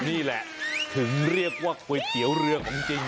นี่แหละถึงเรียกว่าก๋วยเตี๋ยวเรือของจริง